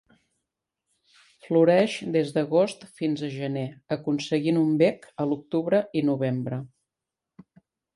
Floreix des d'agost fins a gener aconseguint un bec a l'octubre i novembre.